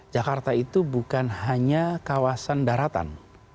jakarta itu bukan hanya kawasan daratan